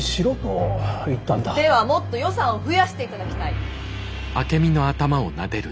「ではもっと予算を増やして頂きたい」。